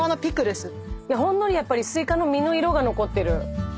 ほんのりやっぱりスイカの実の色が残ってる。